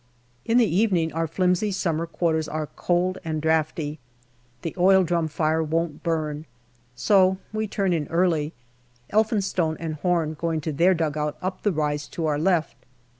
In the evening our flimsy summer quarters are cold and draughty. The oil drum fire won't burn. So we turn in early, Elphinstone and Home going to their dugout up the rise to our left.